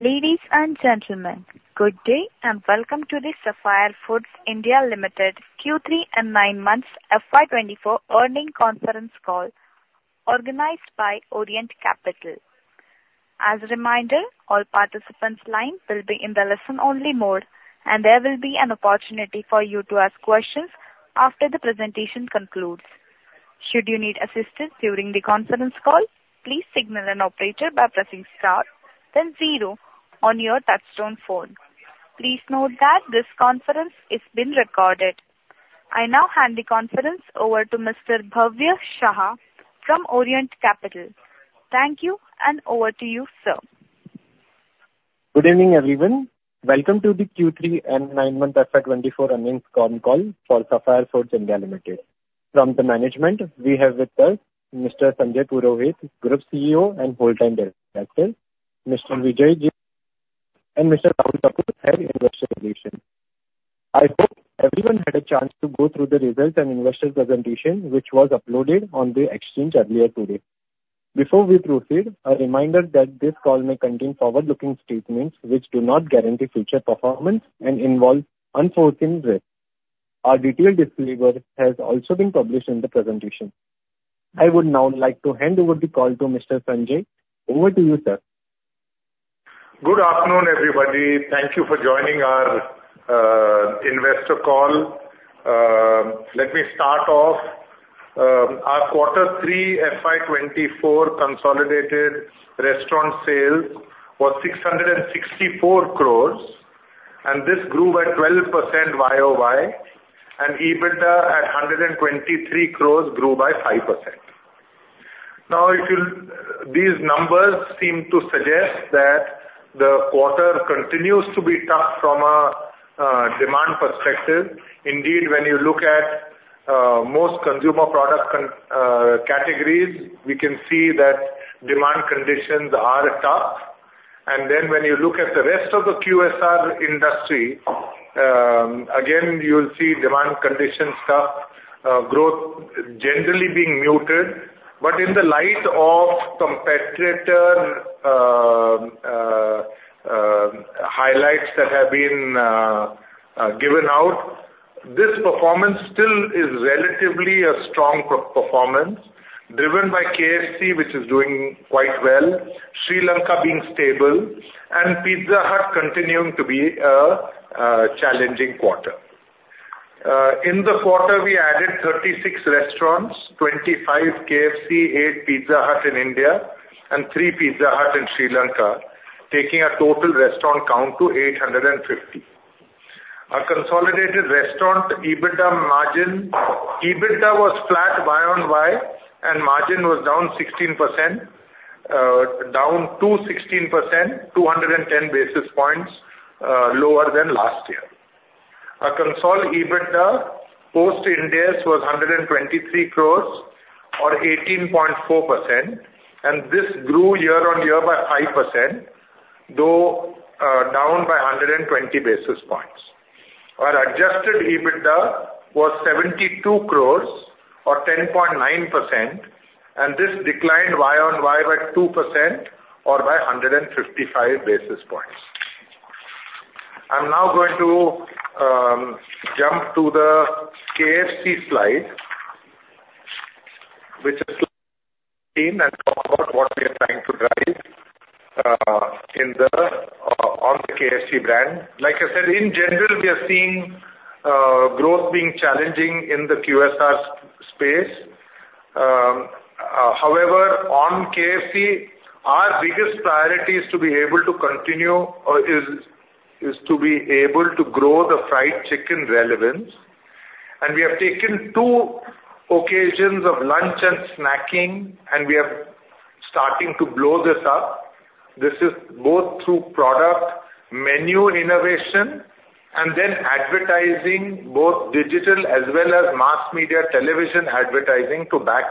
Ladies and gentlemen, good day and welcome to the Sapphire Foods India Limited Q3 and Nine Months FY 2024 Earnings Conference Call organized by Orient Capital. As a reminder, all participants' lines will be in the listen-only mode, and there will be an opportunity for you to ask questions after the presentation concludes. Should you need assistance during the conference call, please signal an operator by pressing star then zero on your touchtone phone. Please note that this conference is being recorded. I now hand the conference over to Mr. Bhavya Shah from Orient Capital. Thank you, and over to you, sir. Good evening, everyone. Welcome to the Q3 and nine months FY2024 earnings call for Sapphire Foods India Limited. From the management, we have with us Mr. Sanjay Purohit, Group CEO and Whole-Time Director, Mr. Vijay Jain, and Mr. Rahul Kapoor, Head Investor Relations. I hope everyone had a chance to go through the results and investor presentation which was uploaded on the exchange earlier today. Before we proceed, a reminder that this call may contain forward-looking statements which do not guarantee future performance and involve unforeseen risks. Our detailed disclaimer has also been published in the presentation. I would now like to hand over the call to Mr. Sanjay. Over to you, sir. Good afternoon, everybody. Thank you for joining our investor call. Let me start off. Our quarter three FY 2024 consolidated restaurant sales were 664 crores, and this grew by 12% YoY, and EBITDA at 123 crores grew by 5%. Now, these numbers seem to suggest that the quarter continues to be tough from a demand perspective. Indeed, when you look at most consumer product categories, we can see that demand conditions are tough. And then when you look at the rest of the QSR industry, again, you'll see demand conditions tough, growth generally being muted. But in the light of competitor highlights that have been given out, this performance still is relatively a strong performance, driven by KFC which is doing quite well, Sri Lanka being stable, and Pizza Hut continuing to be a challenging quarter. In the quarter, we added 36 restaurants, 25 KFC, eight Pizza Hut in India, and three Pizza Hut in Sri Lanka, taking a total restaurant count to 850. Our consolidated restaurant EBITDA margin EBITDA was flat YoY, and margin was down 16%, down to 16%, 210 basis points lower than last year. Our consolidated EBITDA post-Ind AS was 123 crores or 18.4%, and this grew year-over-year by 5%, though down by 120 basis points. Our adjusted EBITDA was 72 crores or 10.9%, and this declined YoY by 2% or by 155 basis points. I'm now going to jump to the KFC slide, which is 15, and talk about what we are trying to drive on the KFC brand. Like I said, in general, we are seeing growth being challenging in the QSR space. However, on KFC, our biggest priority is to be able to grow the fried chicken relevance. We have taken two occasions of lunch and snacking, and we are starting to blow this up. This is both through product menu innovation and then advertising, both digital as well as mass media television advertising, to back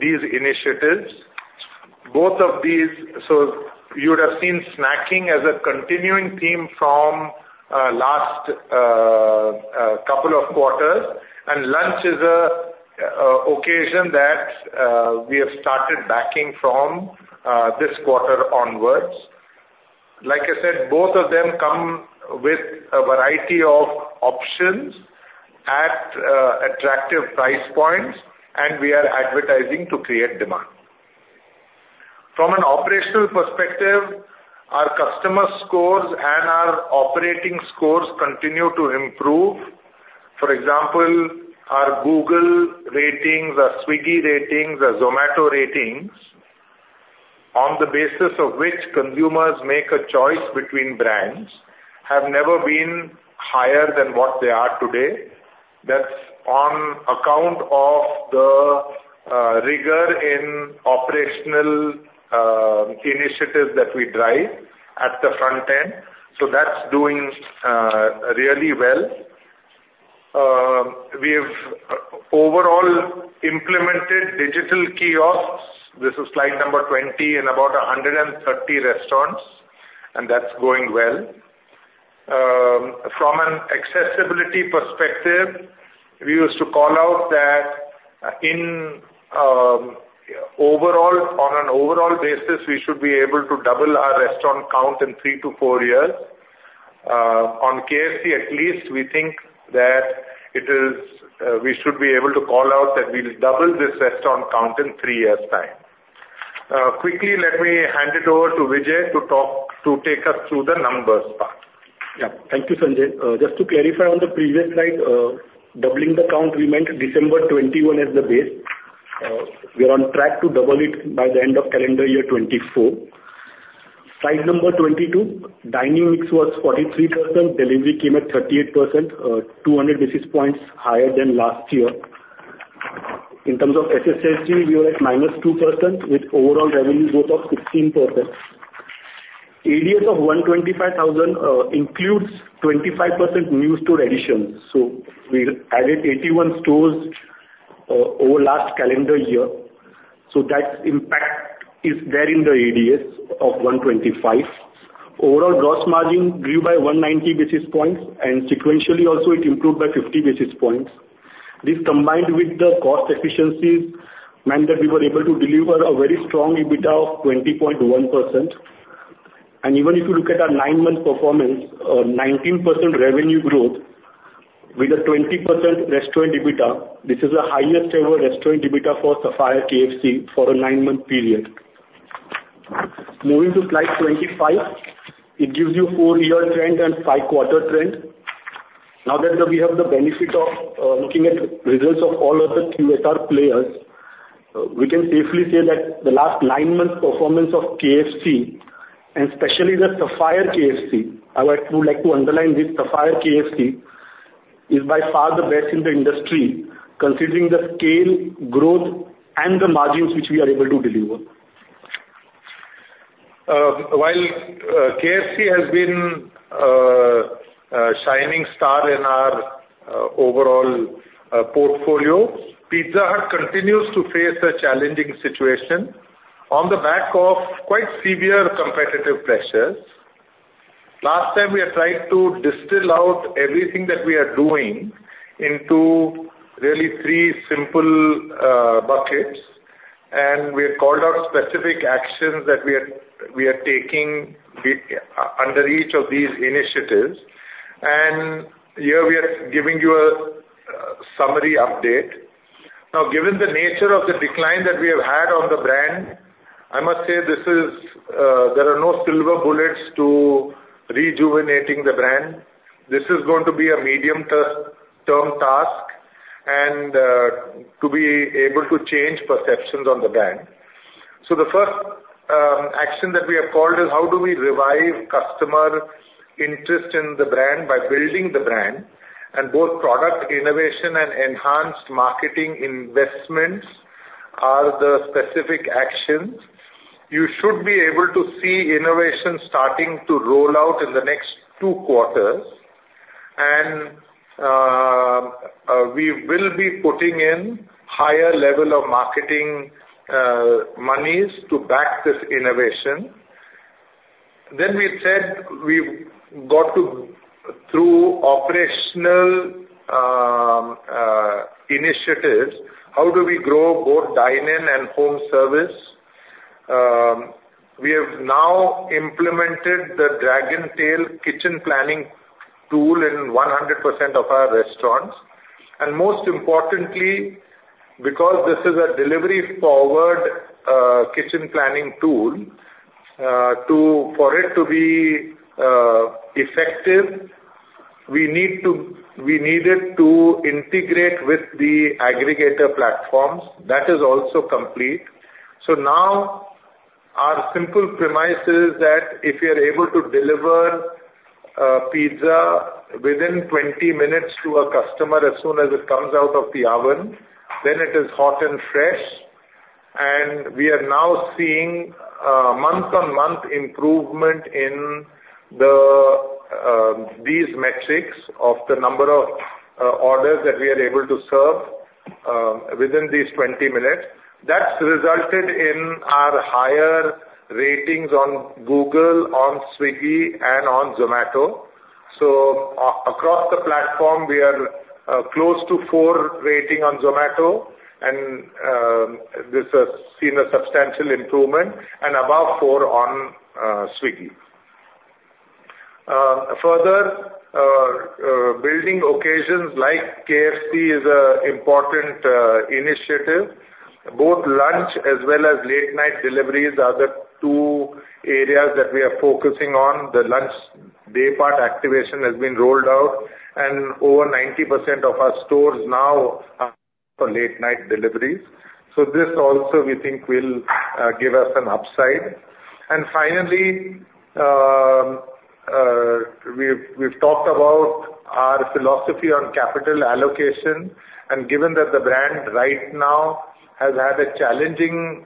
these initiatives. You would have seen snacking as a continuing theme from last couple of quarters, and lunch is an occasion that we have started backing from this quarter onwards. Like I said, both of them come with a variety of options at attractive price points, and we are advertising to create demand. From an operational perspective, our customer scores and our operating scores continue to improve. For example, our Google ratings, our Swiggy ratings, our Zomato ratings, on the basis of which consumers make a choice between brands, have never been higher than what they are today. That's on account of the rigor in operational initiatives that we drive at the front end, so that's doing really well. We have overall implemented digital kiosks. This is slide number 20, in about 130 restaurants, and that's going well. From an accessibility perspective, we used to call out that on an overall basis, we should be able to double our restaurant count in three to four years. On KFC, at least, we think that we should be able to call out that we'll double this restaurant count in three years' time. Quickly, let me hand it over to Vijay to take us through the numbers part. Yeah. Thank you, Sanjay. Just to clarify, on the previous slide, doubling the count, we meant December 21 as the base. We're on track to double it by the end of calendar year 2024. Slide number 22, dining mix was 43%, delivery came at 38%, 200 basis points higher than last year. In terms of SSSG, we were at -2% with overall revenue growth of 16%. ADS of 125,000 includes 25% new store additions, so we added 81 stores over last calendar year. So that impact is there in the ADS of 125. Overall gross margin grew by 190 basis points, and sequentially, also, it improved by 50 basis points. This combined with the cost efficiencies meant that we were able to deliver a very strong EBITDA of 20.1%. Even if you look at our nine-month performance, 19% revenue growth with a 20% restaurant EBITDA, this is the highest-ever restaurant EBITDA for Sapphire KFC for a nine-month period. Moving to slide 25, it gives you a four-year trend and five-quarter trend. Now that we have the benefit of looking at results of all of the QSR players, we can safely say that the last nine-month performance of KFC, and especially the Sapphire KFC - I would like to underline this: Sapphire KFC - is by far the best in the industry, considering the scale, growth, and the margins which we are able to deliver. While KFC has been a shining star in our overall portfolio, Pizza Hut continues to face a challenging situation on the back of quite severe competitive pressures. Last time, we had tried to distill out everything that we are doing into really three simple buckets, and we had called out specific actions that we are taking under each of these initiatives. And here, we are giving you a summary update. Now, given the nature of the decline that we have had on the brand, I must say there are no silver bullets to rejuvenating the brand. This is going to be a medium-term task and to be able to change perceptions on the brand. So the first action that we have called is, "How do we revive customer interest in the brand by building the brand?" And both product innovation and enhanced marketing investments are the specific actions. You should be able to see innovation starting to roll out in the next two quarters, and we will be putting in higher level of marketing monies to back this innovation. Then we said we've got to, through operational initiatives, "How do we grow both dining and home service?" We have now implemented the Dragontail Kitchen Planning tool in 100% of our restaurants. And most importantly, because this is a delivery-forward kitchen planning tool, for it to be effective, we needed to integrate with the aggregator platforms. That is also complete. So now, our simple premise is that if you're able to deliver pizza within 20 minutes to a customer as soon as it comes out of the oven, then it is hot and fresh. And we are now seeing month-on-month improvement in these metrics of the number of orders that we are able to serve within these 20 minutes. That's resulted in our higher ratings on Google, on Swiggy, and on Zomato. So across the platform, we are close to 4 rating on Zomato, and this has seen a substantial improvement, and above 4 on Swiggy. Further, building occasions like KFC is an important initiative. Both lunch as well as late-night deliveries are the two areas that we are focusing on. The lunch daypart activation has been rolled out, and over 90% of our stores now are for late-night deliveries. So this also, we think, will give us an upside. Finally, we've talked about our philosophy on capital allocation. Given that the brand right now has had a challenging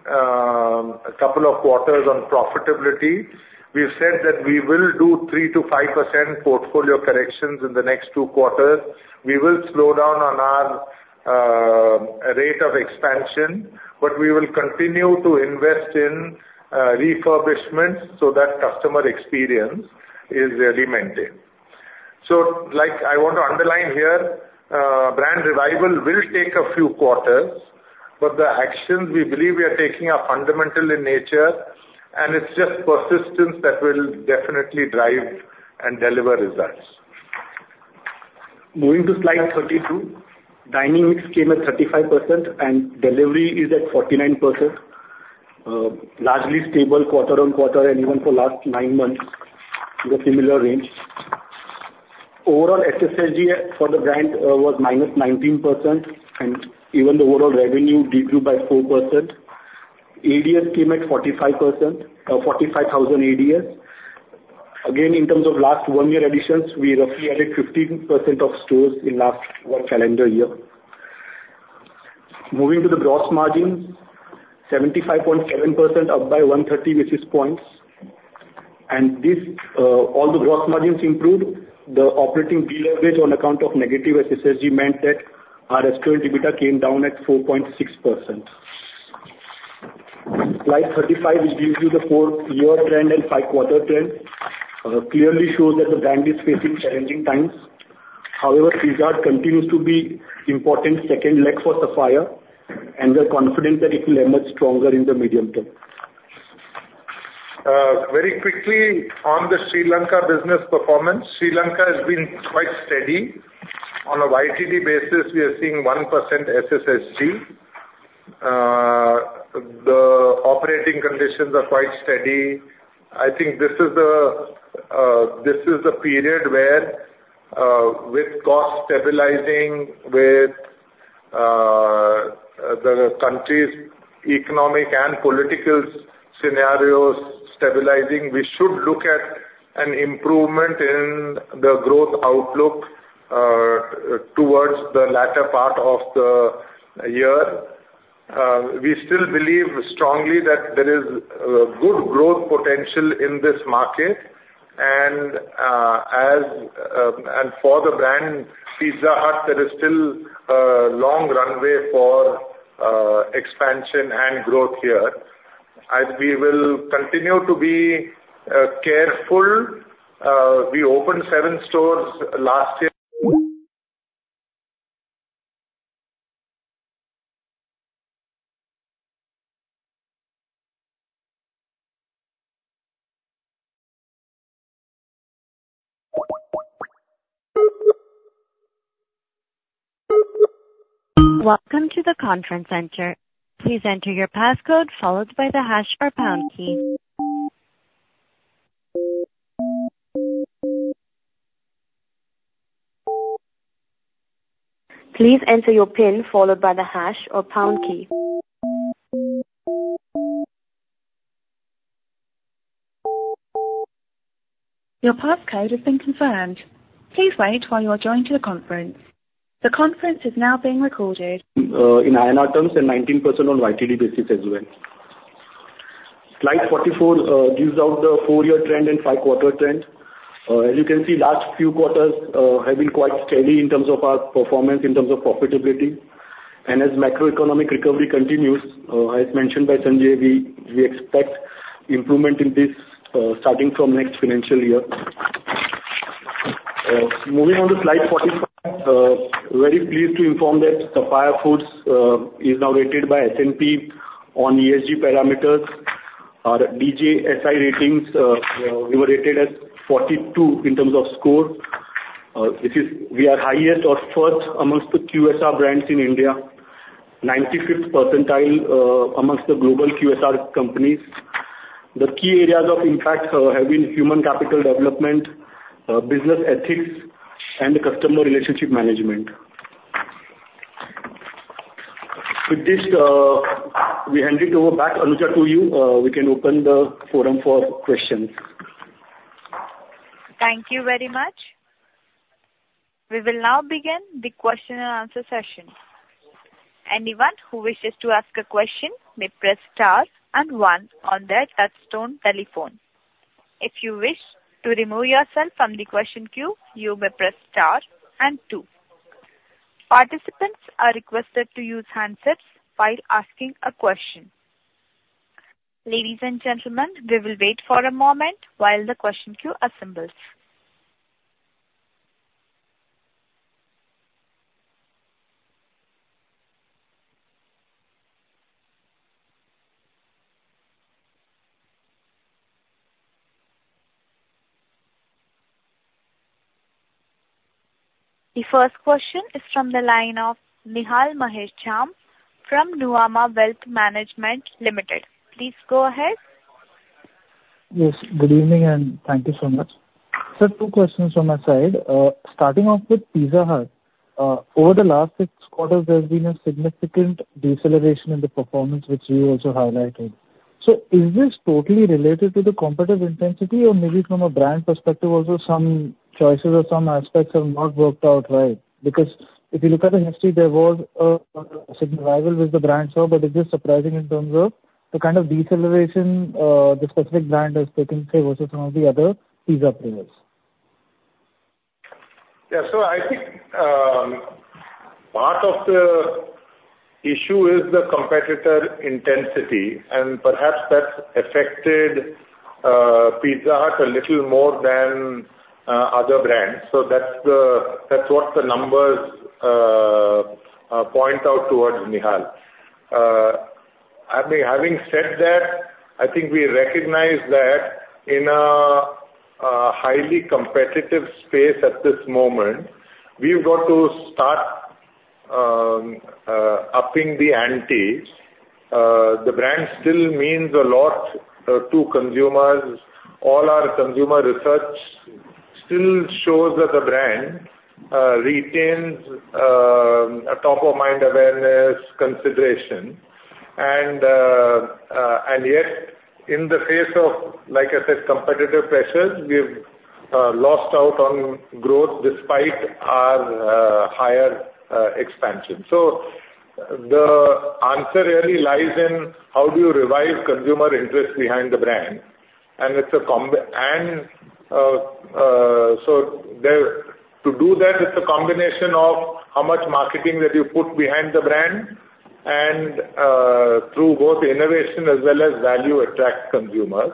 couple of quarters on profitability, we've said that we will do 3%-5% portfolio corrections in the next two quarters. We will slow down on our rate of expansion, but we will continue to invest in refurbishment so that customer experience is really maintained. So I want to underline here: brand revival will take a few quarters, but the actions we believe we are taking are fundamental in nature, and it's just persistence that will definitely drive and deliver results. Moving to slide 32, dining mix came at 35%, and delivery is at 49%, largely stable quarter-on-quarter, and even for last nine months, in a similar range. Overall, SSSG for the brand was -19%, and even the overall revenue decreased by 4%. ADS came at 45,000. Again, in terms of last one-year additions, we roughly added 15% of stores in last one calendar year. Moving to the gross margins, 75.7% up by 130 basis points. All the gross margins improved. The operating deleverage on account of negative SSSG meant that our restaurant EBITDA came down at 4.6%. Slide 35, which gives you the four-year trend and five-quarter trend, clearly shows that the brand is facing challenging times. However, Pizza Hut continues to be an important second leg for Sapphire, and we're confident that it will emerge stronger in the medium term. Very quickly, on the Sri Lanka business performance, Sri Lanka has been quite steady. On a YTD basis, we are seeing 1% SSSG. The operating conditions are quite steady. I think this is the period where, with cost stabilizing, with the country's economic and political scenarios stabilizing, we should look at an improvement in the growth outlook towards the latter part of the year. We still believe strongly that there is good growth potential in this market. And for the brand Pizza Hut, there is still a long runway for expansion and growth here. We will continue to be careful. We opened seven stores last year. Welcome to the conference center. Please enter your passcode followed by the hash or pound key. Please enter your PIN followed by the hash or pound key. Your passcode has been confirmed. Please wait while you are joined to the conference. The conference is now being recorded. In INR terms, and 19% on YTD basis as well. Slide 44 gives out the four-year trend and five-quarter trend. As you can see, last few quarters have been quite steady in terms of our performance, in terms of profitability. As macroeconomic recovery continues, as mentioned by Sanjay, we expect improvement in this starting from next financial year. Moving on to slide 45, very pleased to inform that Sapphire Foods is now rated by S&P on ESG parameters. Our DJSI ratings, we were rated as 42 in terms of score. We are highest or first amongst the QSR brands in India, 95th percentile amongst the global QSR companies. The key areas of impact have been human capital development, business ethics, and customer relationship management. With this, we hand it over back, Anuja, to you. We can open the forum for questions. Thank you very much. We will now begin the question-and-answer session. Anyone who wishes to ask a question may press star and one on their touch-tone telephone. If you wish to remove yourself from the question queue, you may press star and two. Participants are requested to use handsets while asking a question. Ladies and gentlemen, we will wait for a moment while the question queue assembles. The first question is from the line of Nihal Mahesh Jham from Nuvama Wealth Management Limited. Please go ahead. Yes. Good evening, and thank you so much. Sir, two questions on my side. Starting off with Pizza Hut, over the last six quarters, there's been a significant deceleration in the performance, which you also highlighted. So is this totally related to the competitive intensity, or maybe from a brand perspective, also, some choices or some aspects have not worked out right? Because if you look at the history, there was a rival with the brand before, but is this surprising in terms of the kind of deceleration the specific brand has taken, say, versus some of the other pizza players? Yeah. So I think part of the issue is the competitor intensity, and perhaps that affected Pizza Hut a little more than other brands. So that's what the numbers point out towards, Nihal. Having said that, I think we recognize that in a highly competitive space at this moment, we've got to start upping the ante. The brand still means a lot to consumers. All our consumer research still shows that the brand retains a top-of-mind awareness consideration. And yet, in the face of, like I said, competitive pressures, we've lost out on growth despite our higher expansion. So the answer really lies in, "How do you revive consumer interest behind the brand?" And so to do that, it's a combination of how much marketing that you put behind the brand and through both innovation as well as value attract consumers.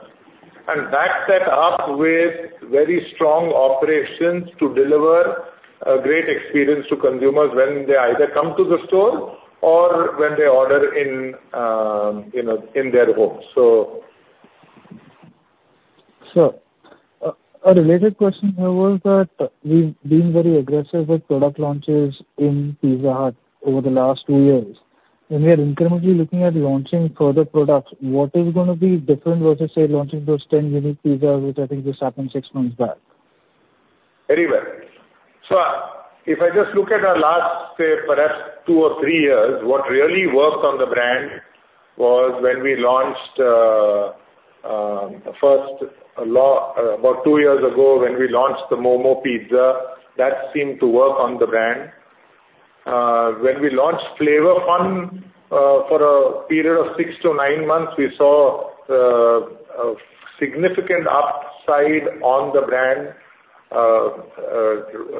Back that up with very strong operations to deliver a great experience to consumers when they either come to the store or when they order in their homes, so. Sir, a related question here was that we've been very aggressive with product launches in Pizza Hut over the last two years. We are incrementally looking at launching further products. What is going to be different versus, say, launching those 10 unique pizzas, which I think just happened six months back? Very well. So if I just look at our last, say, perhaps two or three years, what really worked on the brand was when we launched first about two years ago, when we launched the Momo Pizza. That seemed to work on the brand. When we launched Flavour Fun for a period of six to nine months, we saw a significant upside on the brand.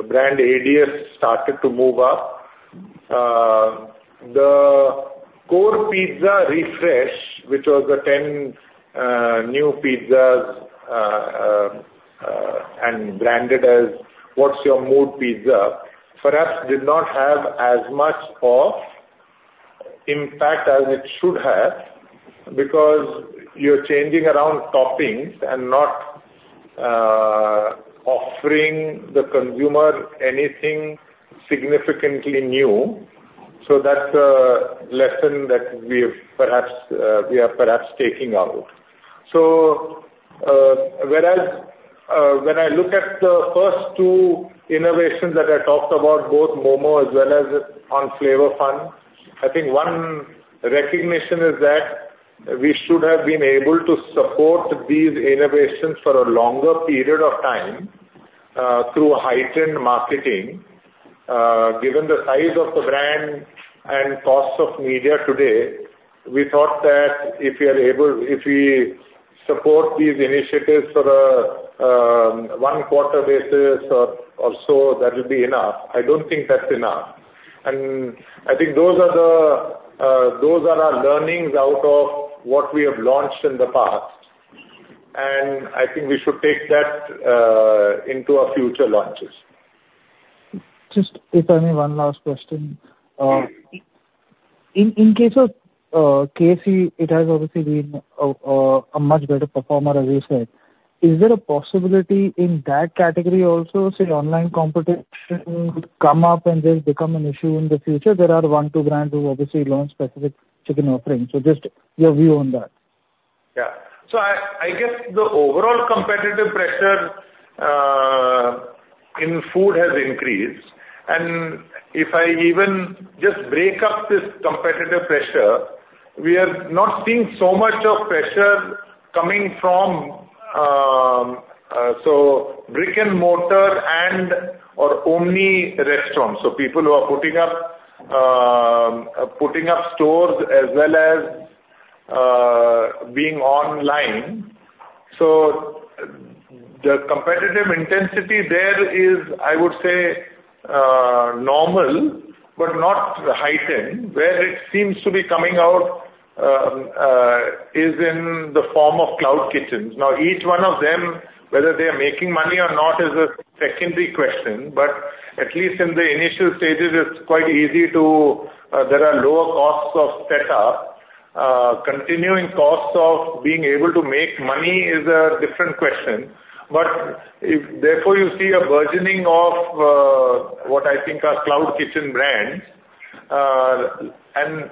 Brand ADS started to move up. The core pizza refresh, which was the 10 new pizzas and branded as What's Your Mood pizza, perhaps did not have as much of impact as it should have because you're changing around toppings and not offering the consumer anything significantly new. So that's a lesson that we are perhaps taking out. So when I look at the first two innovations that I talked about, both Momo as well as on Flavour Fun, I think one recognition is that we should have been able to support these innovations for a longer period of time through heightened marketing. Given the size of the brand and cost of media today, we thought that if we support these initiatives on a one-quarter basis or so, that will be enough. I don't think that's enough. And I think those are our learnings out of what we have launched in the past. And I think we should take that into our future launches. Just if I may, one last question. In case it has obviously been a much better performer, as you said, is there a possibility in that category also, say, online competition would come up and just become an issue in the future? There are one, two brands who obviously launch specific chicken offerings. So just your view on that. Yeah. So I guess the overall competitive pressure in food has increased. If I even just break up this competitive pressure, we are not seeing so much pressure coming from so brick-and-mortar and/or omni-restaurants, so people who are putting up stores as well as being online. So the competitive intensity there is, I would say, normal but not heightened. Where it seems to be coming out is in the form of cloud kitchens. Now, each one of them, whether they are making money or not, is a secondary question. But at least in the initial stages, it's quite easy to there are lower costs of setup. Continuing costs of being able to make money is a different question. But therefore, you see a burgeoning of what I think are cloud kitchen brands. And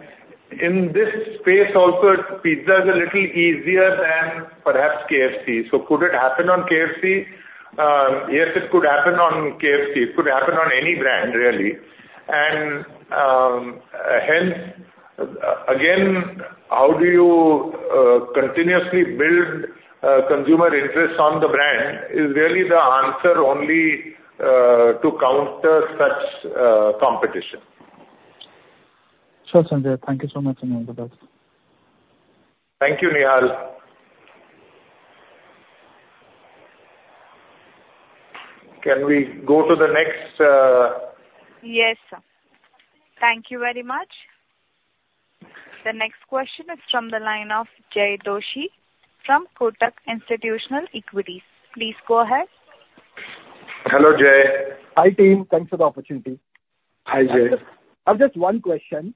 in this space also, pizza is a little easier than perhaps KFC. Could it happen on KFC? Yes, it could happen on KFC. It could happen on any brand, really. Hence, again, how do you continuously build consumer interest on the brand is really the answer only to counter such competition. Sure, Sanjay. Thank you so much, Anuja, for that. Thank you, Nihal. Can we go to the next? Yes, sir. Thank you very much. The next question is from the line of Jay Doshi from Kotak Institutional Equities. Please go ahead. Hello, Jay. Hi, team. Thanks for the opportunity. Hi, Jay. I have just one question.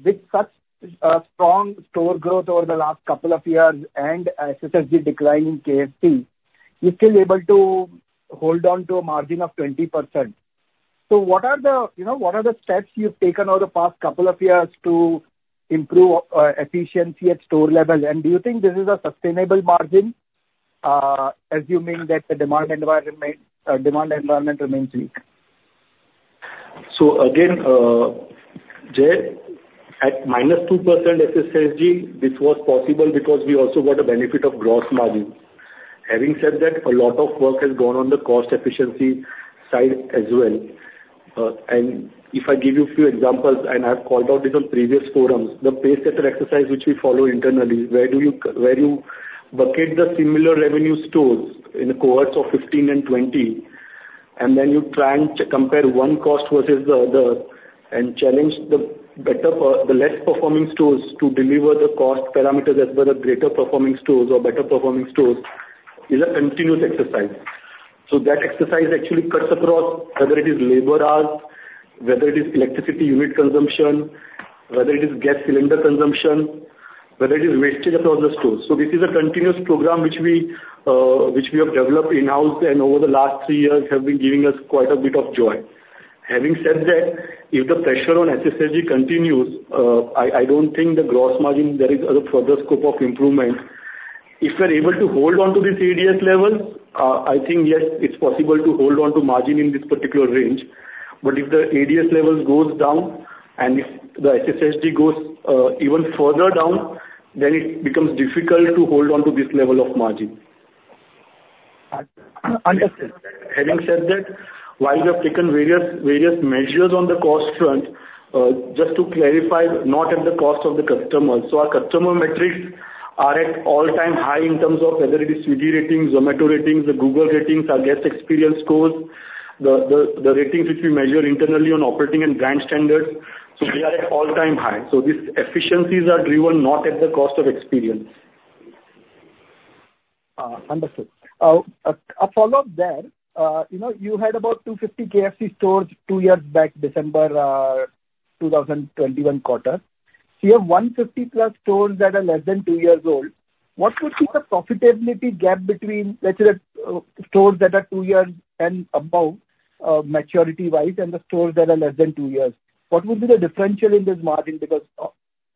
With such strong store growth over the last couple of years and SSSG declining KFC, you're still able to hold on to a margin of 20%. So what are the steps you've taken over the past couple of years to improve efficiency at store level? And do you think this is a sustainable margin assuming that the demand environment remains weak? So again, Jay, at -2% SSSG, this was possible because we also got a benefit of gross margin. Having said that, a lot of work has gone on the cost efficiency side as well. And if I give you a few examples, and I've called out this on previous forums, the Pacesetter exercise which we follow internally, where you bucket the similar revenue stores in a cohort of 15 and 20, and then you try and compare one cost versus the other and challenge the less performing stores to deliver the cost parameters as well as greater performing stores or better performing stores is a continuous exercise. So that exercise actually cuts across whether it is labor hours, whether it is electricity unit consumption, whether it is gas cylinder consumption, whether it is wastage across the stores. This is a continuous program which we have developed in-house and over the last three years have been giving us quite a bit of joy. Having said that, if the pressure on SSSG continues, I don't think the gross margin there is further scope of improvement. If we're able to hold onto these ADS levels, I think, yes, it's possible to hold onto margin in this particular range. But if the ADS levels go down and if the SSSG goes even further down, then it becomes difficult to hold onto this level of margin. Understood. Having said that, while we have taken various measures on the cost front, just to clarify, not at the cost of the customers. Our customer metrics are at all-time high in terms of whether it is Swiggy ratings, Zomato ratings, the Google ratings, our guest experience scores, the ratings which we measure internally on operating and brand standards. They are at all-time high. These efficiencies are driven not at the cost of experience. Understood. A follow-up there, you had about 250 KFC stores two years back, December 2021 quarter. You have 150-plus stores that are less than two years old. What would be the profitability gap between, let's say, the stores that are two years and above maturity-wise and the stores that are less than two years? What would be the differential in this margin because?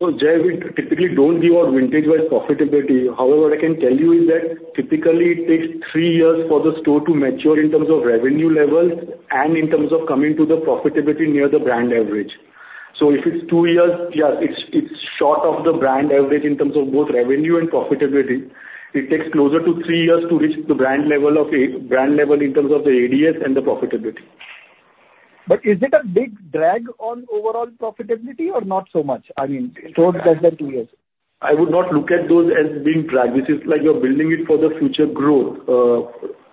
So Jay, we typically don't give out vintage-wise profitability. However, what I can tell you is that typically, it takes three years for the store to mature in terms of revenue levels and in terms of coming to the profitability near the brand average. So if it's two years, yes, it's short of the brand average in terms of both revenue and profitability. It takes closer to three years to reach the brand level in terms of the ADS and the profitability. Is it a big drag on overall profitability or not so much? I mean, stores less than two years. I would not look at those as being drag. This is like you're building it for the future growth.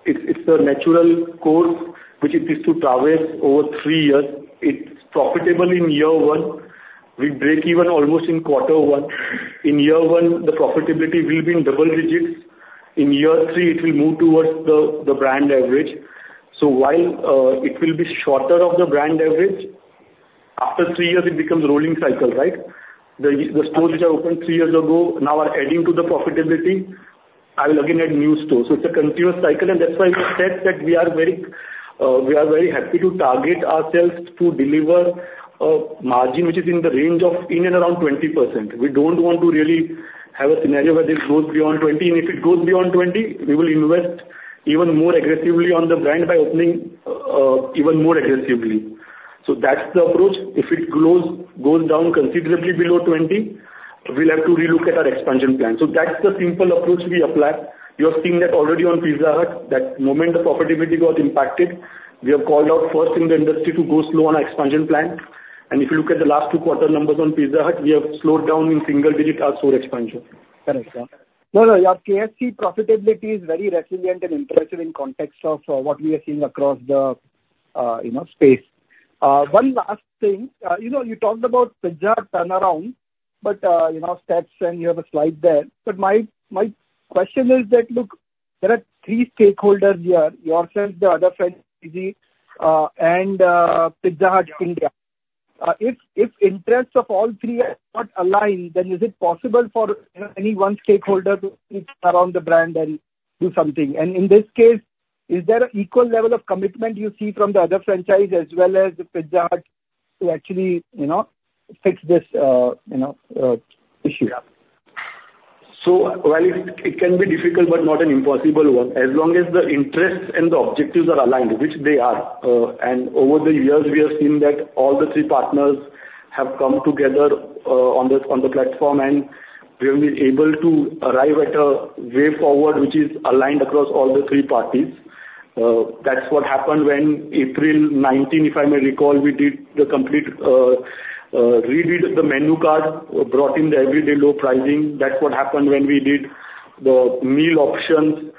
It's a natural course which it is to traverse over three years. It's profitable in year one. We break even almost in quarter one. In year one, the profitability will be in double digits. In year three, it will move towards the brand average. So while it will be short of the brand average, after three years, it becomes rolling cycle, right? The stores which are opened three years ago now are adding to the profitability. I will again add new stores. So it's a continuous cycle. And that's why we said that we are very happy to target ourselves to deliver a margin which is in the range of in and around 20%. We don't want to really have a scenario where this goes beyond 20. If it goes beyond 20, we will invest even more aggressively on the brand by opening even more aggressively. So that's the approach. If it goes down considerably below 20, we'll have to relook at our expansion plan. So that's the simple approach we apply. You have seen that already on Pizza Hut, that moment the profitability got impacted. We have called out first in the industry to go slow on our expansion plan. If you look at the last two quarter numbers on Pizza Hut, we have slowed down in single-digit our store expansion. Correct, sir. No, no. Your KFC profitability is very resilient and impressive in context of what we are seeing across the space. One last thing. You talked about Pizza Hut turnaround, but steps, and you have a slide there. But my question is that, look, there are three stakeholders here: yourself, the other franchisee, and Pizza Hut India. If interests of all three are not aligned, then is it possible for any one stakeholder to turn around the brand and do something? And in this case, is there an equal level of commitment you see from the other franchise as well as Pizza Hut to actually fix this issue? Yeah. So while it can be difficult but not an impossible one, as long as the interests and the objectives are aligned, which they are, and over the years, we have seen that all the three partners have come together on the platform and we have been able to arrive at a way forward which is aligned across all the three parties. That's what happened when April 19, if I may recall, we did the complete read the menu card, brought in the everyday low pricing. That's what happened when we did the meal options.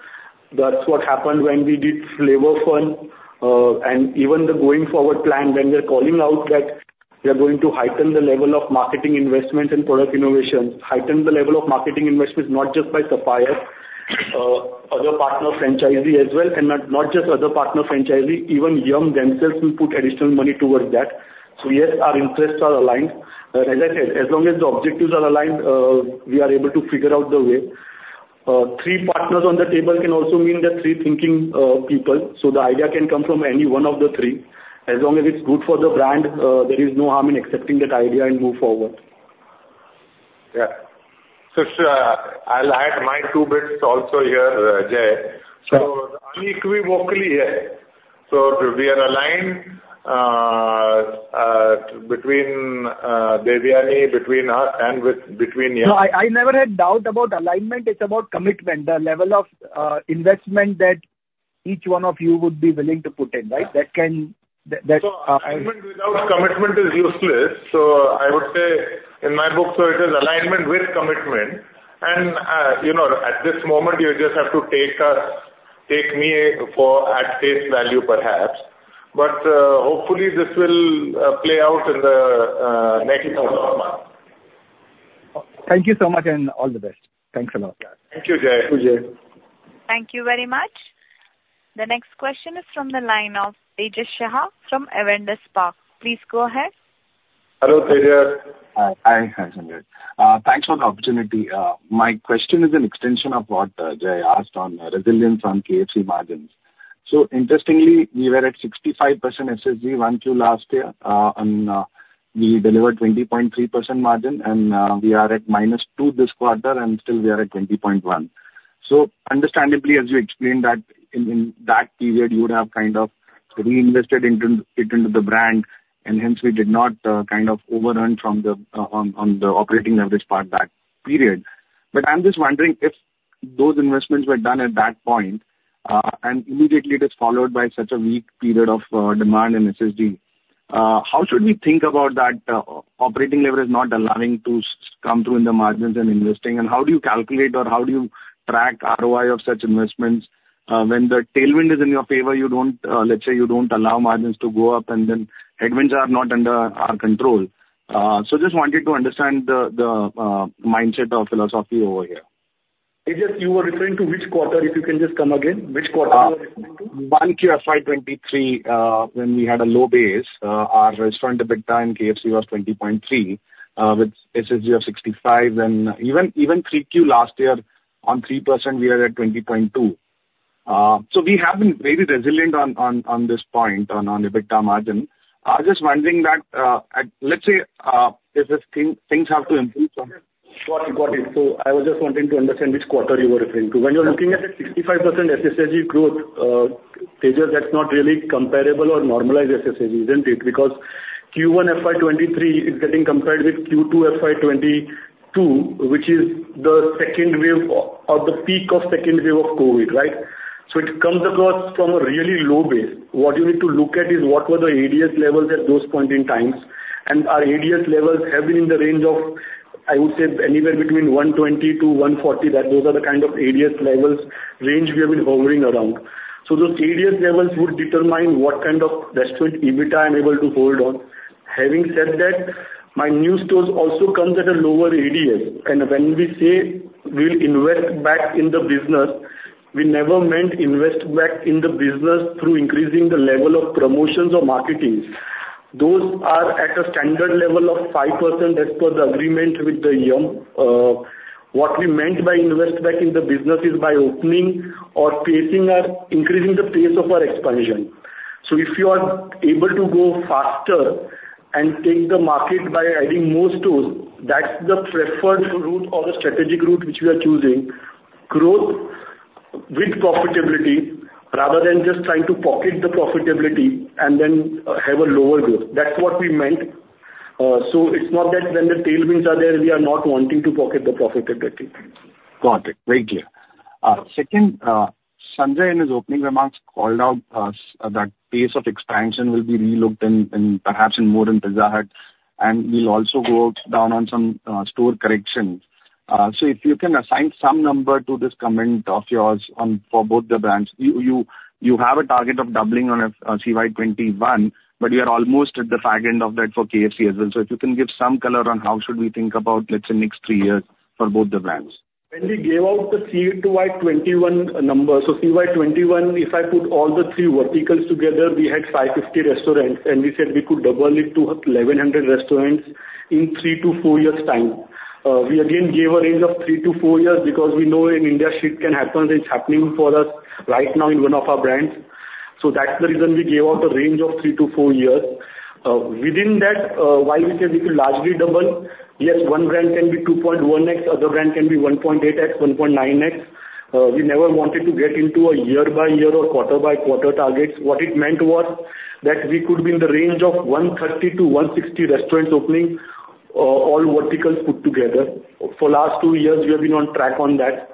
That's what happened when we did Flavour Fun. And even the going forward plan, when we're calling out that we are going to heighten the level of marketing investments and product innovations, heighten the level of marketing investments not just by Sapphire, other partner franchisee as well, and not just other partner franchisee. Even Yum themselves will put additional money towards that. So yes, our interests are aligned. As I said, as long as the objectives are aligned, we are able to figure out the way. Three partners on the table can also mean the three thinking people. So the idea can come from any one of the three. As long as it's good for the brand, there is no harm in accepting that idea and move forward. Yeah. So I'll add my two bits also here, Jay. So unequivocally, yes. So we are aligned between Devyani, between us, and between Yum. No, I never had doubt about alignment. It's about commitment, the level of investment that each one of you would be willing to put in, right? That can. Commitment without commitment is useless. I would say in my book, so it is alignment with commitment. At this moment, you just have to take me at face value, perhaps. Hopefully, this will play out in the next month. Thank you so much, and all the best. Thanks a lot. Thank you, Jay. Thank you very much. The next question is from the line of Tejas Shah from Avendus Spark. Please go ahead. Hello, Tejas. Hi, Sanjay. Thanks for the opportunity. My question is an extension of what Jay asked on resilience on KFC margins. So interestingly, we were at 65% SSG 1Q last year, and we delivered 20.3% margin. And we are at -2% this quarter, and still, we are at 20.1%. So understandably, as you explained that, in that period, you would have kind of reinvested it into the brand. And hence, we did not kind of over-earn on the operating average part that period. But I'm just wondering if those investments were done at that point, and immediately, it is followed by such a weak period of demand in SSG, how should we think about that operating leverage not allowing to come through in the margins and investing? And how do you calculate or how do you track ROI of such investments when the tailwind is in your favor? Let's say you don't allow margins to go up, and then headwinds are not under our control. So just wanted to understand the mindset or philosophy over here. Tejas, you were referring to which quarter? If you can just come again, which quarter you were referring to? 1Q at 5.23% when we had a low base. Our restaurant EBITDA KFC was 20.3% with SSG of 65%. And even 3Q last year on 3%, we are at 20.2%. So we have been very resilient on this point, on EBITDA margin. I'm just wondering that, let's say, if things have to improve. Got it. Got it. So I was just wanting to understand which quarter you were referring to. When you're looking at the 65% SSSG growth, Tejas, that's not really comparable or normalized SSSG, isn't it? Because Q1 FY 2023 is getting compared with Q2 FY 2022, which is the second wave or the peak of second wave of COVID, right? So it comes across from a really low base. What you need to look at is what were the ADS levels at those points in time. And our ADS levels have been in the range of, I would say, anywhere between 120-140. Those are the kind of ADS levels range we have been hovering around. So those ADS levels would determine what kind of restaurant EBITDA I'm able to hold on. Having said that, my new stores also come at a lower ADS. When we say we'll invest back in the business, we never meant invest back in the business through increasing the level of promotions or marketing. Those are at a standard level of 5% as per the agreement with the Yum. What we meant by invest back in the business is by opening or increasing the pace of our expansion. So if you are able to go faster and take the market by adding more stores, that's the preferred route or the strategic route which we are choosing: growth with profitability rather than just trying to pocket the profitability and then have a lower growth. That's what we meant. So it's not that when the tailwinds are there, we are not wanting to pocket the profitability. Got it. Great, clear. Second, Sanjay in his opening remarks called out that pace of expansion will be relooked in perhaps more in Pizza Hut. And we'll also go down on some store corrections. So if you can assign some number to this comment of yours for both the brands, you have a target of doubling on a CY 2021, but you are almost at the fraction of that for KFC as well. So if you can give some color on how should we think about, let's say, next three years for both the brands. When we gave out the CY 2021 number, so CY 2021, if I put all the three verticals together, we had 550 restaurants. We said we could double it to 1,100 restaurants in three to four years' time. We again gave a range of three to four years because we know in India, shit can happen. It's happening for us right now in one of our brands. That's the reason we gave out a range of three to four years. Within that, while we said we could largely double, yes, one brand can be 2.1x, other brand can be 1.8x, 1.9x. We never wanted to get into year-by-year or quarter-by-quarter targets. What it meant was that we could be in the range of 130-160 restaurants opening, all verticals put together. For last two years, we have been on track on that.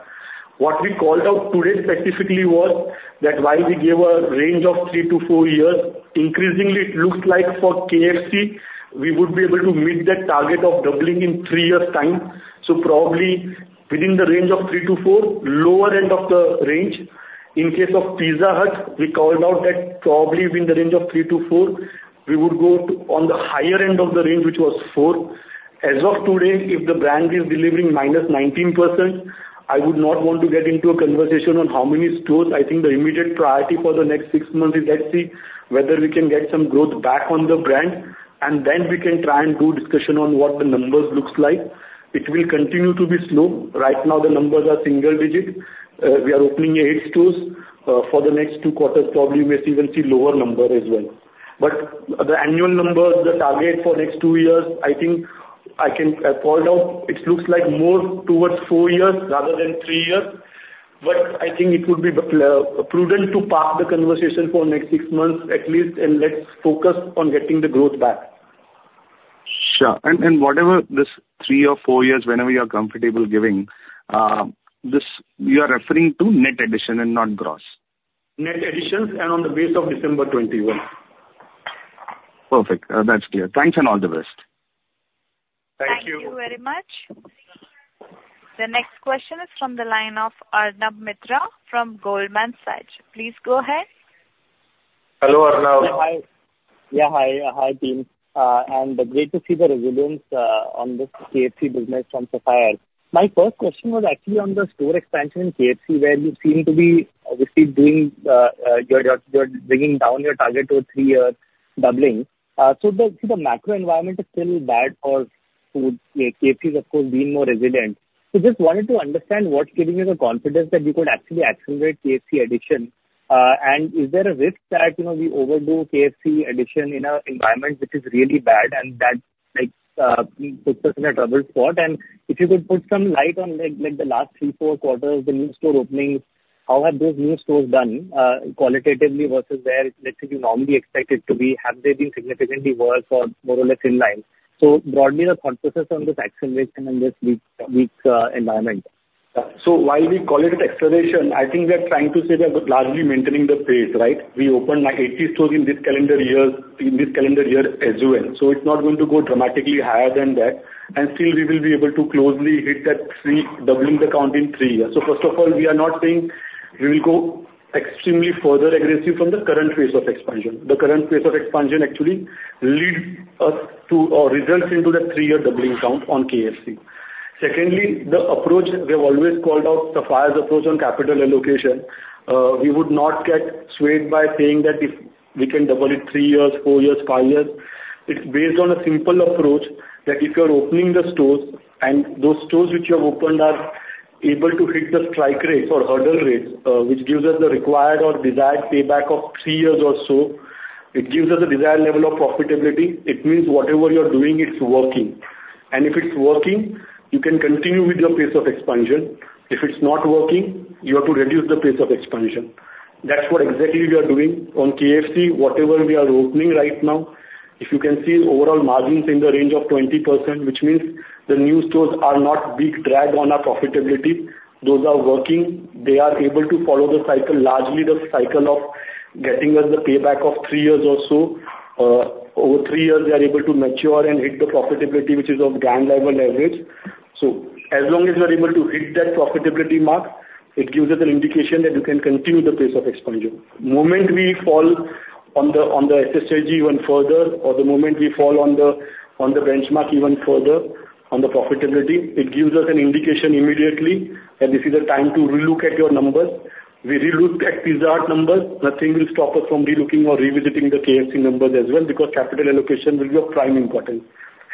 What we called out today specifically was that while we gave a range of three to four years, increasingly, it looks like for KFC, we would be able to meet that target of doubling in three years' time. So probably within the range of three to four, lower end of the range. In case of Pizza Hut, we called out that probably within the range of three to four, we would go on the higher end of the range, which was four. As of today, if the brand is delivering -19%, I would not want to get into a conversation on how many stores. I think the immediate priority for the next six months is let's see whether we can get some growth back on the brand, and then we can try and do discussion on what the numbers looks like. It will continue to be slow. Right now, the numbers are single-digit. We are opening eight stores. For the next two quarters, probably we may even see lower number as well. But the annual number, the target for next two years, I think I can call out, it looks like more towards four years rather than three years. But I think it would be prudent to park the conversation for next six months at least, and let's focus on getting the growth back. Sure. Whatever this three or four years, whenever you are comfortable giving, you are referring to net addition and not gross? Net additions and on the basis of December 21. Perfect. That's clear. Thanks and all the best. Thank you. Thank you very much. The next question is from the line of Arnab Mitra from Goldman Sachs. Please go ahead. Hello, Arnab. Yeah. Hi. Yeah. Hi. Hi, Team. And great to see the resilience on this KFC business from Sapphire. My first question was actually on the store expansion in KFC where you seem to be obviously bringing down your target to a three-year doubling. So the macro environment is still bad for food. KFC's, of course, being more resilient. So just wanted to understand what's giving you the confidence that you could actually accelerate KFC addition. And is there a risk that we overdo KFC addition in an environment which is really bad and that puts us in a troubled spot? And if you could put some light on the last three, four quarters, the new store openings, how have those new stores done qualitatively versus where, let's say, you normally expect it to be? Have they been significantly worse or more or less in line? Broadly, the thought process on this acceleration and this weak environment. So while we call it an acceleration, I think we are trying to say we are largely maintaining the pace, right? We opened 80 stores in this calendar year as well. So it's not going to go dramatically higher than that. And still, we will be able to closely hit that doubling the count in three years. So first of all, we are not saying we will go extremely further aggressive from the current phase of expansion. The current phase of expansion actually leads us to or results into that three-year doubling count on KFC. Secondly, the approach we have always called out, Sapphire's approach on capital allocation, we would not get swayed by saying that we can double it three years, four years, five years. It's based on a simple approach that if you are opening the stores and those stores which you have opened are able to hit the strike rates or hurdle rates, which gives us the required or desired payback of three years or so, it gives us a desired level of profitability. It means whatever you are doing, it's working. And if it's working, you can continue with your pace of expansion. If it's not working, you have to reduce the pace of expansion. That's what exactly we are doing on KFC. Whatever we are opening right now, if you can see overall margins in the range of 20%, which means the new stores are not big drag on our profitability. Those are working. They are able to follow the cycle, largely the cycle of getting us the payback of three years or so. Over three years, they are able to mature and hit the profitability, which is of brand-level leverage. So as long as you are able to hit that profitability mark, it gives us an indication that you can continue the pace of expansion. The moment we fall on the SSSG even further or the moment we fall on the benchmark even further on the profitability, it gives us an indication immediately that this is a time to relook at your numbers. We relook at Pizza Hut numbers. Nothing will stop us from relooking or revisiting the KFC numbers as well because capital allocation will be of prime importance.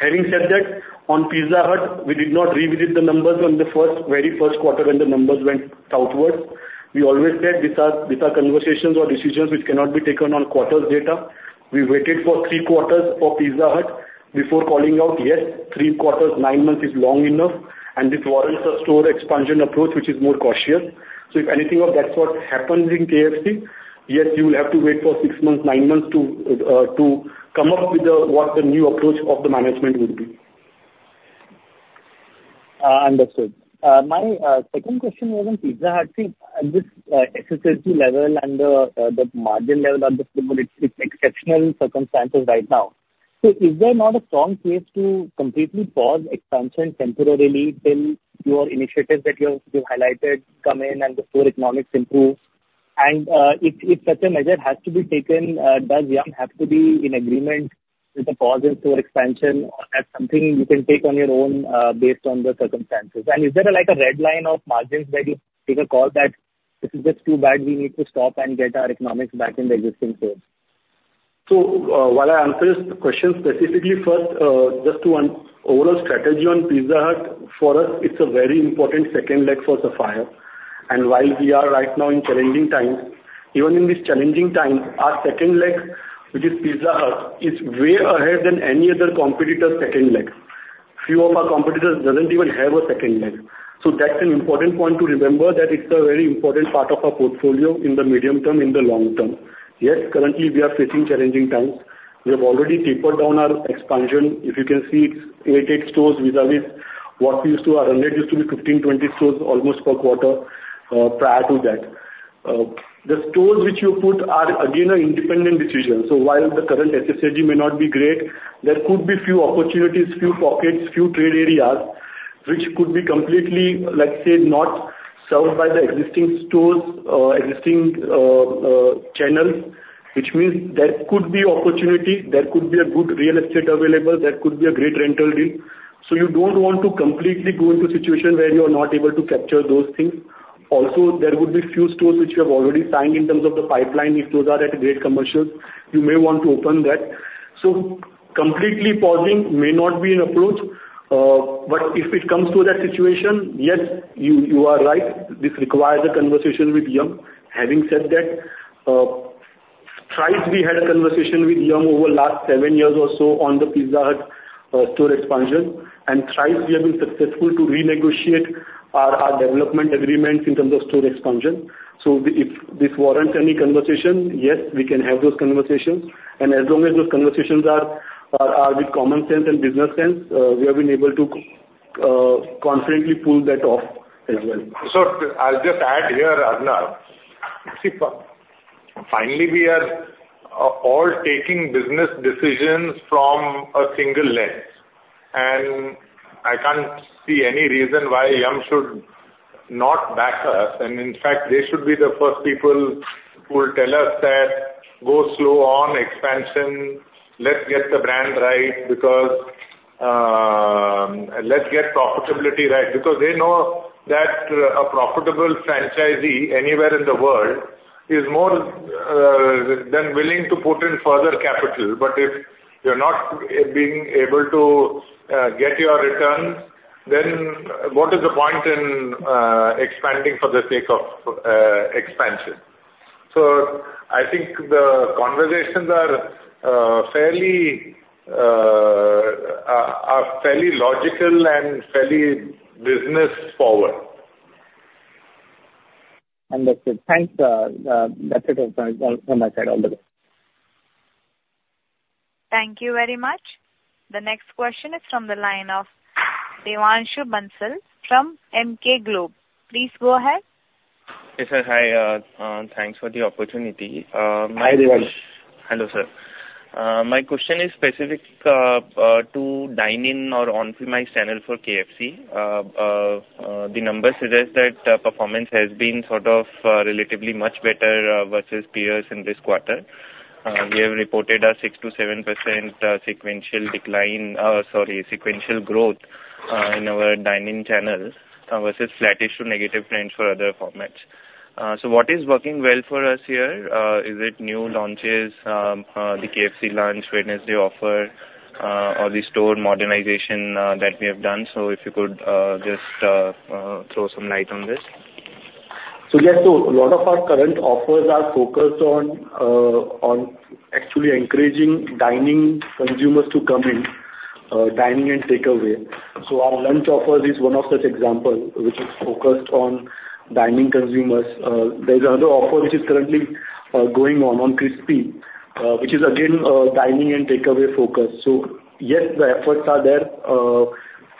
Having said that, on Pizza Hut, we did not revisit the numbers on the very first quarter when the numbers went southwards. We always said these are conversations or decisions which cannot be taken on quarters data. We waited for three quarters for Pizza Hut before calling out, "Yes, three quarters, nine months is long enough." This warrants a store expansion approach, which is more cautious. If anything of that sort happens in KFC, yes, you will have to wait for six months, nine months to come up with what the new approach of the management would be. Understood. My second question was on Pizza Hut. See, at this SSSG level and the margin level at the floor, it's exceptional circumstances right now. So is there not a strong case to completely pause expansion temporarily till your initiatives that you have highlighted come in and the store economics improve? And if such a measure has to be taken, does Yum have to be in agreement with the pause in store expansion or that's something you can take on your own based on the circumstances? And is there a red line of margins where you take a call that this is just too bad, we need to stop and get our economics back in the existing stores? So while I answer this question specifically, first, just to overall strategy on Pizza Hut, for us, it's a very important second leg for Sapphire. And while we are right now in challenging times, even in these challenging times, our second leg, which is Pizza Hut, is way ahead than any other competitor's second leg. Few of our competitors don't even have a second leg. So that's an important point to remember that it's a very important part of our portfolio in the medium term, in the long term. Yes, currently, we are facing challenging times. We have already tapered down our expansion. If you can see, it's 88 stores vis-à-vis what we used to our 100 used to be 15-20 stores almost per quarter prior to that. The stores which you put are, again, an independent decision. So while the current SSSG may not be great, there could be few opportunities, few pockets, few trade areas which could be completely, let's say, not served by the existing stores, existing channels, which means there could be opportunity, there could be a good real estate available, there could be a great rental deal. So you don't want to completely go into a situation where you are not able to capture those things. Also, there would be few stores which you have already signed in terms of the pipeline. If those are at great commercials, you may want to open that. So completely pausing may not be an approach. But if it comes to that situation, yes, you are right. This requires a conversation with Yum. Having said that, thrice we had a conversation with Yum over the last seven years or so on the Pizza Hut store expansion. Thrice we have been successful to renegotiate our development agreements in terms of store expansion. So if this warrants any conversation, yes, we can have those conversations. And as long as those conversations are with common sense and business sense, we have been able to confidently pull that off as well. So I'll just add here, Arnab. See, finally, we are all taking business decisions from a single lens. And I can't see any reason why Yum should not back us. And in fact, they should be the first people who will tell us that, "Go slow on expansion. Let's get the brand right because let's get profitability right," because they know that a profitable franchisee anywhere in the world is more than willing to put in further capital. But if you're not being able to get your return, then what is the point in expanding for the sake of expansion? So I think the conversations are fairly logical and fairly business-forward. Understood. Thanks. That's it from my side. All the best. Thank you very much. The next question is from the line of Devanshu Bansal from Emkay Global. Please go ahead. Yes, sir. Hi. Thanks for the opportunity. Hi, Devanshu. Hello, sir. My question is specific to dine-in or on-premise channel for KFC. The number suggests that performance has been sort of relatively much better versus peers in this quarter. We have reported a 6%-7% sequential decline sorry, sequential growth in our dine-in channel versus flattish to negative trends for other formats. So what is working well for us here? Is it new launches, the KFC lunch, Wednesday offer, or the store modernization that we have done? So if you could just throw some light on this. So yes, so a lot of our current offers are focused on actually encouraging dining consumers to come in, dining and takeaway. So our lunch offer is one of such examples, which is focused on dining consumers. There's another offer which is currently going on, on Crispy, which is, again, dining and takeaway focus. So yes, the efforts are there,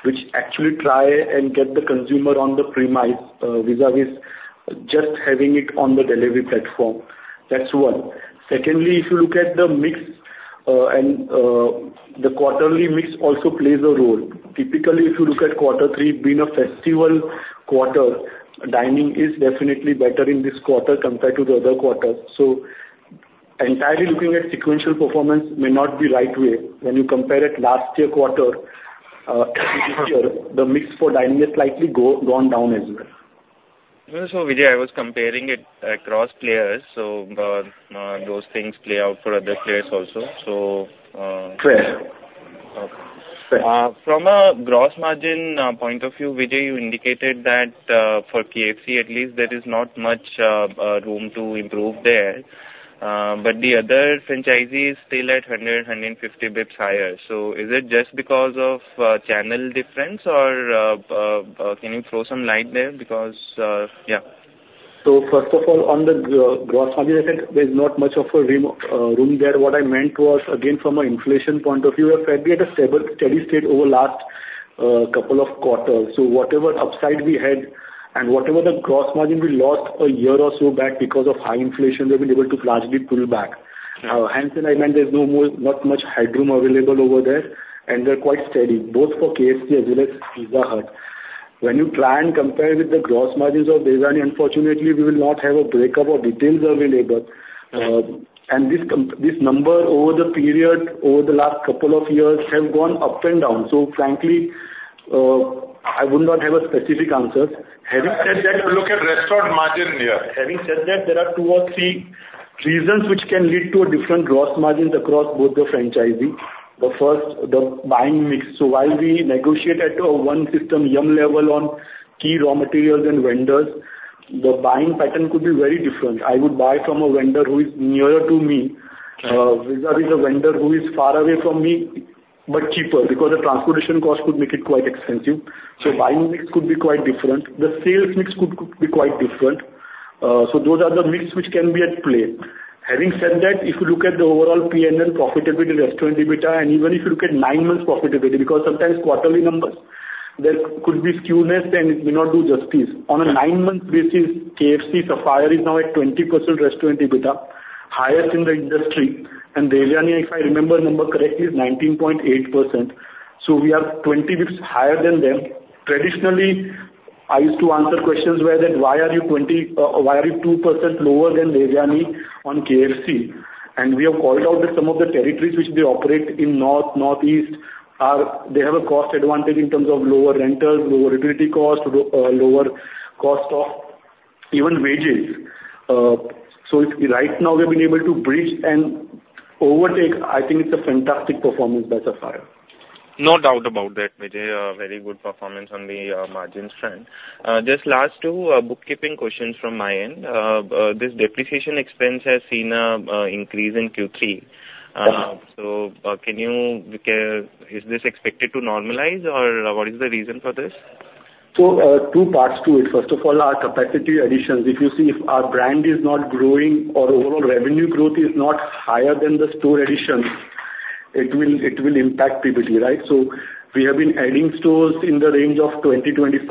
which actually try and get the consumer on the premise vis-à-vis just having it on the delivery platform. That's one. Secondly, if you look at the mix and the quarterly mix also plays a role. Typically, if you look at quarter three, being a festival quarter, dining is definitely better in this quarter compared to the other quarters. So entirely looking at sequential performance may not be the right way. When you compare it last year quarter to this year, the mix for dining has slightly gone down as well. Vijay, I was comparing it across players. Those things play out for other players also, so. Fair. Okay. Fair. From a gross margin point of view, Vijay, you indicated that for KFC at least, there is not much room to improve there. But the other franchisee is still at 100-150 basis points higher. So is it just because of channel difference, or can you throw some light there because yeah? So first of all, on the gross margin, I said there's not much of a room there. What I meant was, again, from an inflation point of view, we have had a steady state over the last couple of quarters. So whatever upside we had and whatever the gross margin we lost a year or so back because of high inflation, we have been able to largely pull back. Hence, I meant there's not much headroom available over there. And they're quite steady, both for KFC as well as Pizza Hut. When you try and compare with the gross margins of Devyani, unfortunately, we will not have a breakup or details available. And these numbers over the period, over the last couple of years, have gone up and down. So frankly, I would not have specific answers. Having said that. Look at restaurant margin here. Having said that, there are two or three reasons which can lead to different gross margins across both the franchisee. The first, the buying mix. So while we negotiate at one system, Yum level on key raw materials and vendors, the buying pattern could be very different. I would buy from a vendor who is nearer to me vis-à-vis a vendor who is far away from me but cheaper because the transportation cost could make it quite expensive. So buying mix could be quite different. The sales mix could be quite different. So those are the mix which can be at play. Having said that, if you look at the overall P&L, profitability, restaurant EBITDA, and even if you look at nine months profitability because sometimes quarterly numbers, there could be skewness, and it may not do justice. On a nine-month basis, KFC, Sapphire is now at 20% restaurant EBITDA, highest in the industry. And Devyani, if I remember number correctly, is 19.8%. So we are 20 bps higher than them. Traditionally, I used to answer questions where that, "Why are you 20 why are you 2% lower than Devyani on KFC?" And we have called out that some of the territories which they operate in north, northeast, they have a cost advantage in terms of lower rentals, lower utility cost, lower cost of even wages. So right now, we have been able to bridge and overtake. I think it's a fantastic performance by Sapphire. No doubt about that, Vijay. Very good performance on the margin strength. Just last two bookkeeping questions from my end. This depreciation expense has seen an increase in Q3. So, is this expected to normalize, or what is the reason for this? So two parts to it. First of all, our capacity additions. If you see if our brand is not growing or overall revenue growth is not higher than the store additions, it will impact PBT, right? So we have been adding stores in the range of 20%-25%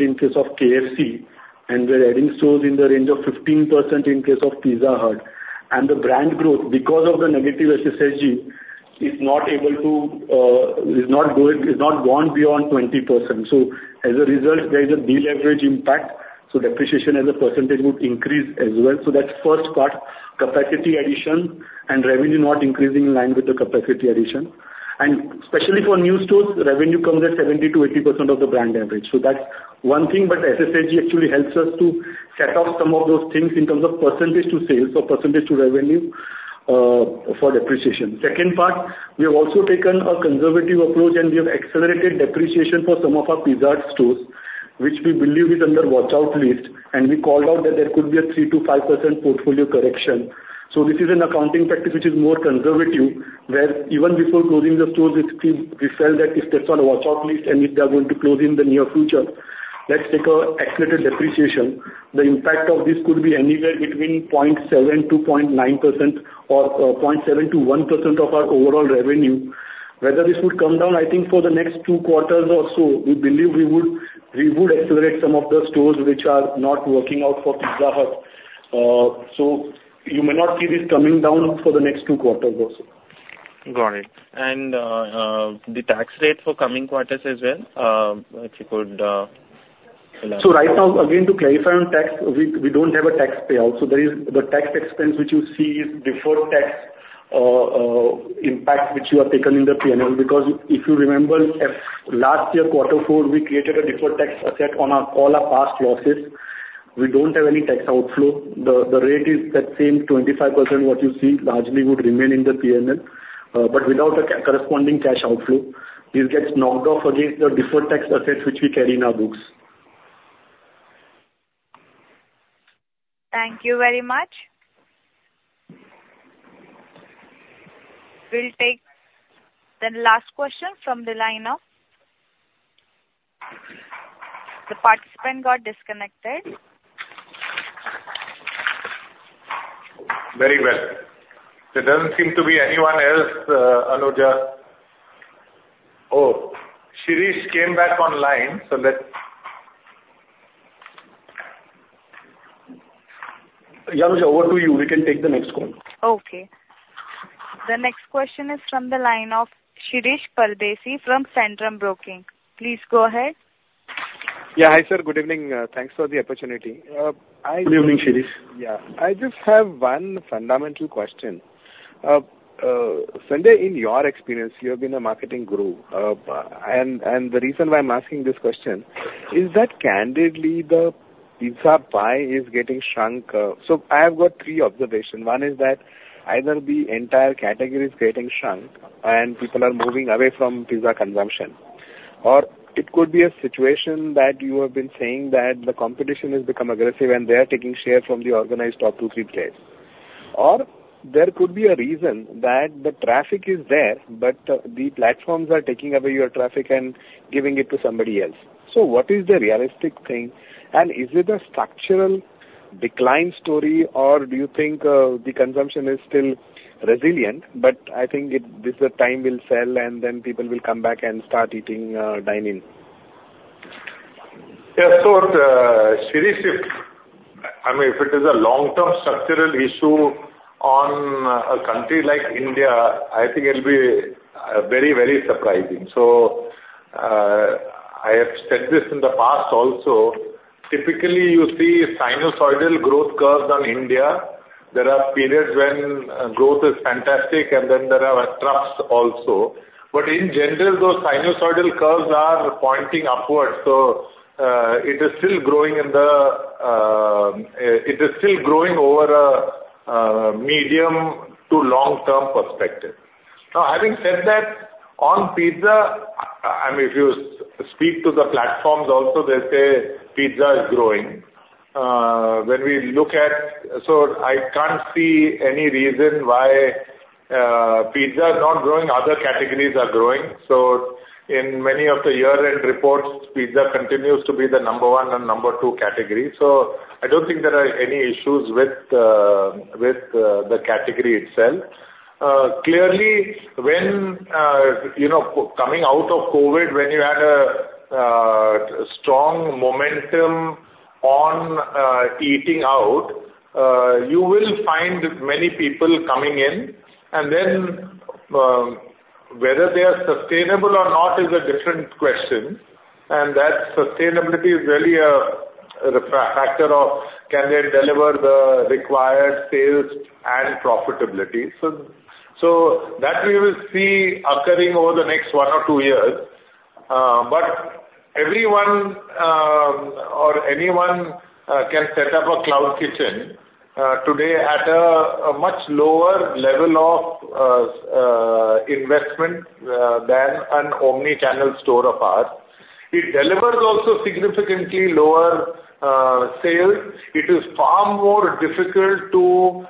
in case of KFC. And we're adding stores in the range of 15% in case of Pizza Hut. And the brand growth, because of the negative SSSG, is not able to is not gone beyond 20%. So as a result, there is a deleverage impact. So depreciation as a percentage would increase as well. So that's first part, capacity addition and revenue not increasing in line with the capacity addition. And especially for new stores, revenue comes at 70%-80% of the brand average. So that's one thing. But SSSG actually helps us to set off some of those things in terms of percentage to sales or percentage to revenue for depreciation. Second part, we have also taken a conservative approach, and we have accelerated depreciation for some of our Pizza Hut stores, which we believe is under watch-out list. And we called out that there could be a 3%-5% portfolio correction. So this is an accounting practice which is more conservative where even before closing the stores, we felt that if that's on a watch-out list and if they are going to close in the near future, let's take an accelerated depreciation. The impact of this could be anywhere between 0.7%-0.9% or 0.7%-1% of our overall revenue. Whether this would come down, I think for the next two quarters or so, we believe we would accelerate some of the stores which are not working out for Pizza Hut. So you may not see this coming down for the next two quarters also. Got it. The tax rate for coming quarters as well, if you could elaborate. So right now, again, to clarify on tax, we don't have a tax payout. So the tax expense which you see is deferred tax impact which you have taken in the P&L because if you remember, last year, quarter four, we created a deferred tax asset on all our past losses. We don't have any tax outflow. The rate is that same, 25% what you see largely would remain in the P&L but without a corresponding cash outflow. This gets knocked off against the deferred tax assets which we carry in our books. Thank you very much. We'll take then the last question from the lineup. The participant got disconnected. Very well. There doesn't seem to be anyone else, Anuja. Oh, Shirish came back online. So let's. Anuja, we can take the next one. Okay. The next question is from the line of Shirish Pardeshi from Centrum Broking. Please go ahead. Yeah. Hi, sir. Good evening. Thanks for the opportunity. I. Good evening, Shirish. Yeah. I just have one fundamental question. Sanjay, in your experience, you have been a marketing guru. And the reason why I'm asking this question is that candidly, the pizza pie is getting shrunk. So I have got three observations. One is that either the entire category is getting shrunk, and people are moving away from pizza consumption, or it could be a situation that you have been saying that the competition has become aggressive, and they are taking share from the organized top two, three players. Or there could be a reason that the traffic is there, but the platforms are taking away your traffic and giving it to somebody else. So what is the realistic thing? And is it a structural decline story, or do you think the consumption is still resilient? But I think this time will sell, and then people will come back and start eating dine-in. Yeah. So Shirish, if I mean, if it is a long-term structural issue on a country like India, I think it'll be very, very surprising. So I have said this in the past also. Typically, you see sinusoidal growth curves on India. There are periods when growth is fantastic, and then there are troughs also. But in general, those sinusoidal curves are pointing upwards. So it is still growing over a medium to long-term perspective. Now, having said that, on Pizza, I mean, if you speak to the platforms also, they say Pizza is growing. When we look at, I can't see any reason why Pizza is not growing. Other categories are growing. So in many of the year-end reports, Pizza continues to be the number one and number two category. So I don't think there are any issues with the category itself. Clearly, when coming out of COVID, when you had a strong momentum on eating out, you will find many people coming in. And then whether they are sustainable or not is a different question. And that sustainability is really a factor of can they deliver the required sales and profitability. So that we will see occurring over the next one or two years. But everyone or anyone can set up a cloud kitchen today at a much lower level of investment than an omnichannel store of ours. It delivers also significantly lower sales. It is far more difficult to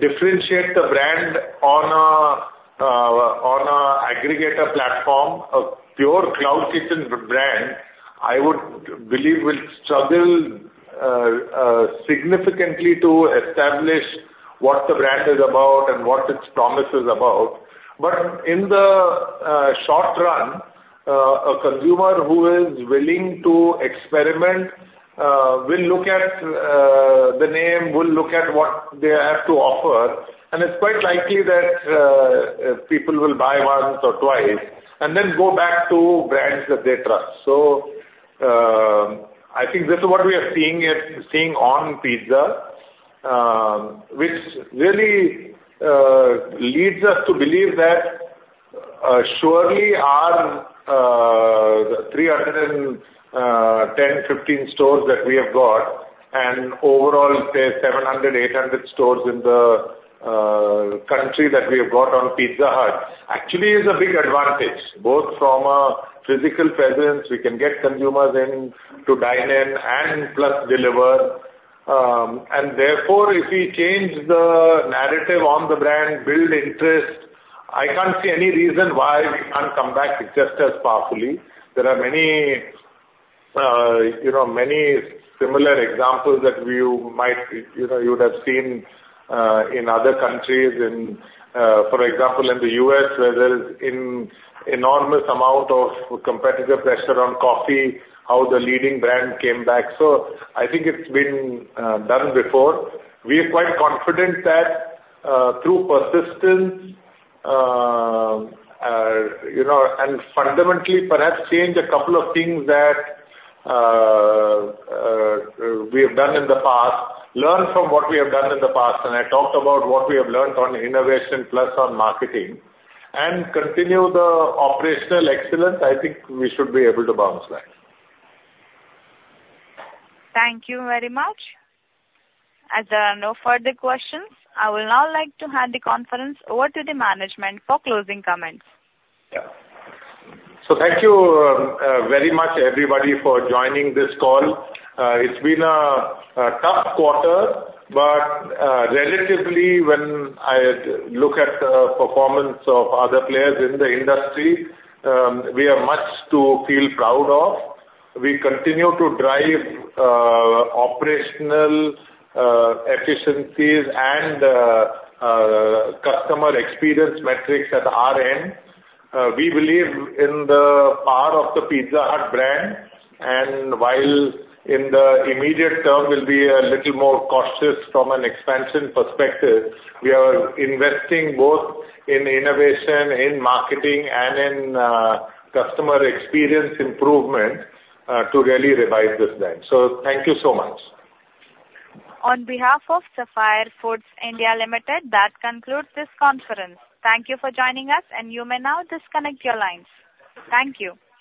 differentiate the brand on an aggregator platform. A pure cloud kitchen brand, I would believe, will struggle significantly to establish what the brand is about and what its promise is about. But in the short run, a consumer who is willing to experiment will look at the name, will look at what they have to offer. It's quite likely that people will buy once or twice and then go back to brands that they trust. I think this is what we are seeing on Pizza, which really leads us to believe that surely our 310, 315 stores that we have got and overall, say, 700-800 stores in the country that we have got on Pizza Hut actually is a big advantage, both from a physical presence. We can get consumers in to dine in and plus deliver. Therefore, if we change the narrative on the brand, build interest, I can't see any reason why we can't come back just as powerfully. There are many similar examples that you might, you would have seen in other countries, for example, in the U.S. where there is an enormous amount of competitive pressure on coffee, how the leading brand came back. So I think it's been done before. We are quite confident that through persistence and fundamentally, perhaps change a couple of things that we have done in the past, learn from what we have done in the past - and I talked about what we have learned on innovation plus on marketing - and continue the operational excellence, I think we should be able to bounce back. Thank you very much. As there are no further questions, I will now like to hand the conference over to the management for closing comments. Yeah. Thank you very much, everybody, for joining this call. It's been a tough quarter. Relatively, when I look at the performance of other players in the industry, we have much to feel proud of. We continue to drive operational efficiencies and customer experience metrics at our end. We believe in the power of the Pizza Hut brand. While in the immediate term, we'll be a little more cautious from an expansion perspective, we are investing both in innovation, in marketing, and in customer experience improvement to really revive this brand. Thank you so much. On behalf of Sapphire Foods India Limited, that concludes this conference. Thank you for joining us, and you may now disconnect your lines. Thank you.